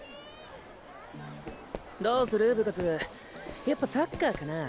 どうする部活やっぱサッカーかな？